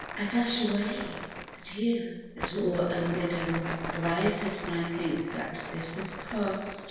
I dash away the tear, that all unbidden Arises, when I think that this is past.